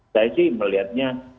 saya sih melihatnya